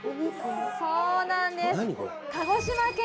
そうなんです。